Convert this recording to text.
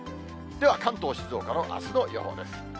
では関東、静岡のあすの予報です。